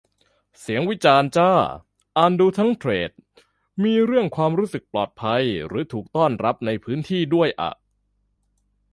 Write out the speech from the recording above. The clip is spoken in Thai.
เสียงวิจารณ์จ้า อ่านดูทั้งเธรด มีเรื่องความรู้สึกปลอดภัยหรือถูกต้อนรับในพื้นที่ด้วยอะ